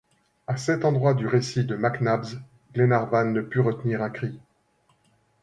À cet endroit du récit de Mac Nabbs, Glenarvan ne put retenir un cri.